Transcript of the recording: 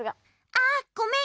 あっごめん。